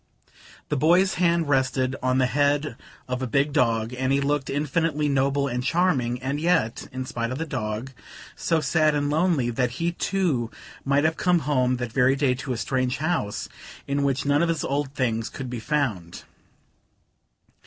The boy's hand rested on the head of a big dog, and he looked infinitely noble and charming, and yet (in spite of the dog) so sad and lonely that he too might have come home that very day to a strange house in which none of his old things could be found.